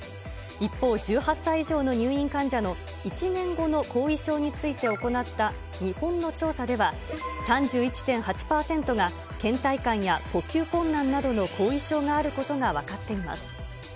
一方、１８歳以上の入院患者の１年後の後遺症について行った日本の調査では、３１．８％がけん怠感や呼吸困難などの後遺症があることが分かっています。